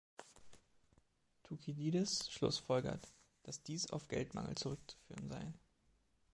Thukydides schlussfolgert, dass dies auf Geldmangel zurückzuführen sei.